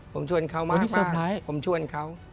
ผมชวนเขามากผมชวนเขา